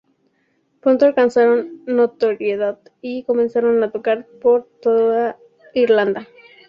Pronto alcanzaron notoriedad y comenzaron a tocar por toda Irlanda.